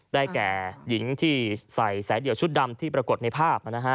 แก่หญิงที่ใส่สายเดี่ยวชุดดำที่ปรากฏในภาพ